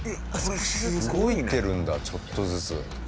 動いてるんだちょっとずつ。